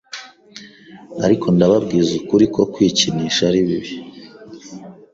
Ariko ndababwiza ukuri ko kwikinisha ari bibi